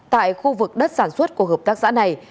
tại khu vực đất sản xuất của hợp tác xã này